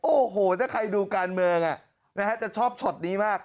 โอ้โหถ้าใครดูการเมืองจะชอบช็อตนี้มาก